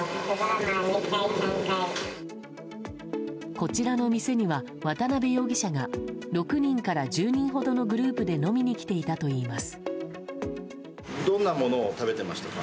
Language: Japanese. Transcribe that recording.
こちらの店には、渡辺容疑者が６人から１０人ほどのグループで飲みに来ていたといいます。